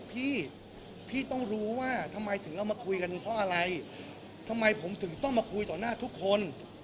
พี่พี่ต้องรู้ว่าทำไมถึงเรามาคุยกันเพราะอะไรทำไมผมถึงต้องมาคุยต่อหน้าทุกคน